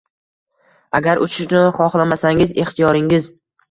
Agar uchishni xohlamasangiz, ixtiyoringiz